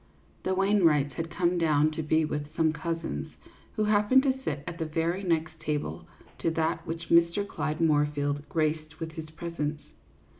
The Wainwrights had come down to be with some cousins, who happened to sit at the very next table to that which Mr. Clyde Moorfield graced CLYDE MOORFIELD, YACHTSMAN. 43 with his presence.